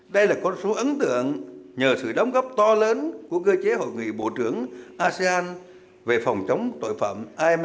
đây là con số ấn tượng nhờ sự đóng góp to lớn của cơ chế hội nghị bộ trưởng asean về phòng chống tội phạm